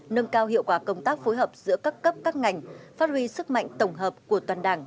nâng cao hiệu quả công tác phối hợp giữa các cấp các ngành phát huy sức mạnh tổng hợp của toàn đảng